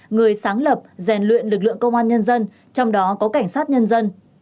người sáng lập rèn luyện lực lượng công an nhân dân trong đó có cảnh sát nhân dân